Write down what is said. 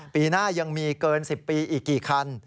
ปีหน้ายังมีเกิน๑๐ปีอีกกี่คัน